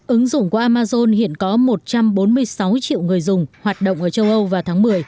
ứng dụng của amazon hiện có một trăm bốn mươi sáu triệu người dùng hoạt động ở châu âu vào tháng một mươi